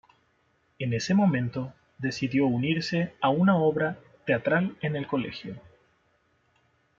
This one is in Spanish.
En ese momento decidió unirse a una obra teatral en el colegio.